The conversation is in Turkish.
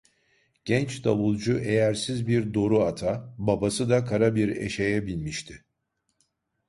Genç davulcu eyersiz bir doru ata, babası da kara bir eşeğe binmişti.